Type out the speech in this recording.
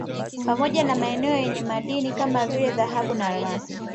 Pamoja na maeneo yenye madini kama vile dhahabu na almasi